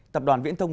tập đoàn viễn thông